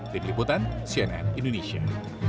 di keliputan cnn indonesia